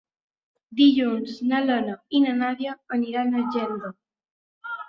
Dilluns na Lena i na Nàdia aniran a Geldo.